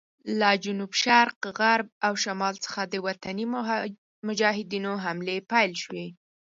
له جنوب شرق، غرب او شمال څخه د وطني مجاهدینو حملې پیل شوې.